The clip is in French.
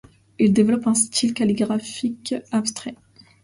Il développe un style calligraphique abstrait.